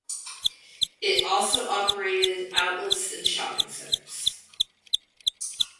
It also operated outlets in shopping centers.